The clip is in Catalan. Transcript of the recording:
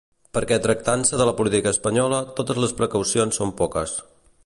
Perquè tractant-se de la política espanyola, totes les precaucions són poques.